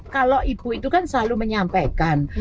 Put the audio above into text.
kalau ibu itu kan selalu menyampaikan